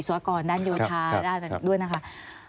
สวัสดีค่ะที่จอมฝันครับ